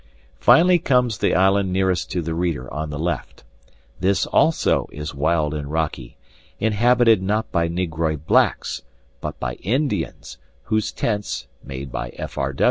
Finally comes the island nearest to the reader on the left. This also is wild and rocky, inhabited not by negroid blacks, but by Indians, whose tents, made by F. R.